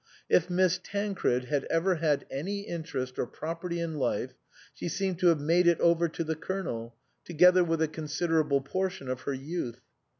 If Miss Tancred had ever had any interest or property in life she seemed to have made it over to the Colonel, together with a considerable portion of her youth.